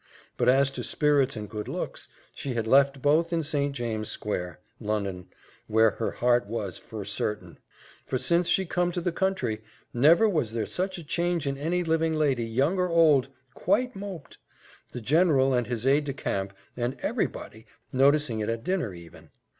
But as to spirits and good looks, she had left both in St. James' square, Lon'on; where her heart was, fur certain. For since she come to the country, never was there such a change in any living lady, young or old quite moped! The general, and his aide de camp, and every body, noticing it at dinner even.